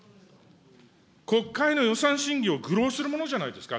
国会の予算審議を愚弄するものじゃないですか。